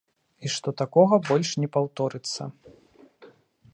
І што такога больш не паўторыцца.